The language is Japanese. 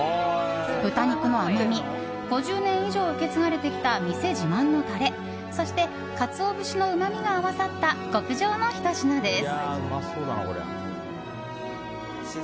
豚肉の甘み５０年以上受け継がれてきた店自慢のタレそして、カツオ節のうまみが合わさった極上のひと品です。